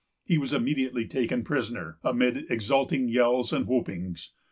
He was immediately taken prisoner, amid exulting yells and whoopings.